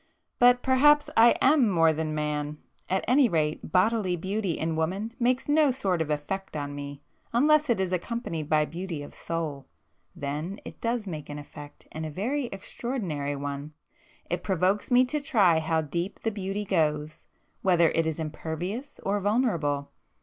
But perhaps I am more than man!—at anyrate bodily beauty in woman makes no sort of effect on me, unless it is accompanied by beauty of soul,—then it does make an effect, and a very extraordinary one. It provokes me to try how deep the beauty goes—whether it is impervious or vulnerable.